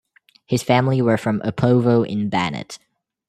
His family were from Opovo in Banat.